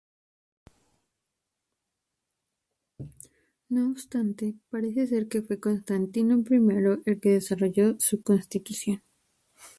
No obstante, parece ser que fue Constantino I el que desarrolló su constitución.